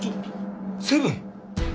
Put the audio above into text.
セブン！